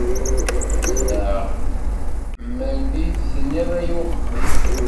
Mennaɣ mer iyi-d-tenniḍ aya uqbel.